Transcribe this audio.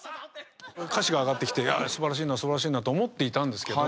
歌詩が上がってきて素晴らしいな素晴らしいなと思っていたんですけど。